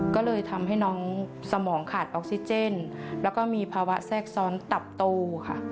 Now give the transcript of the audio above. ก็เลยทำให้น้องสมองขาดออกซิเจนแล้วก็มีภาวะแทรกซ้อนตับโตค่ะ